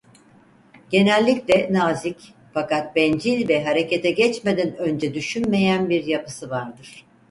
Genellikle nazik fakat bencil ve harekete geçmeden önce düşünmeyen bir yapısı vardır.